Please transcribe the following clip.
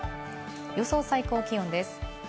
予想最高気温です。